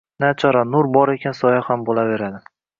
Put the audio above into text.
Nachora nur bor ekan, soya ham bo’laveradi.